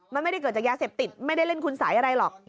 มันไม่ได้เกิดจากยาเสพติดไม่ได้เล่นคุณสัยอะไรหรอก